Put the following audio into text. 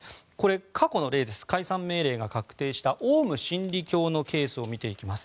過去の例、解散命令が確定したオウム真理教のケースを見ていきます。